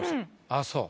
ああそう。